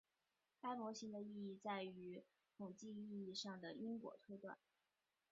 该模型的意义在于统计意义上的因果推断。